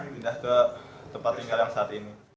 pindah ke tempat tinggal yang saat ini